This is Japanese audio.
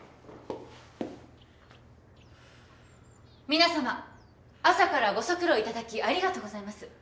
皆さま朝からご足労いただきありがとうございます。